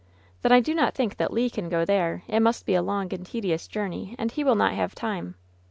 "Then I do not think that Le can go there. It must be a long and tedious journey, and he will not have time."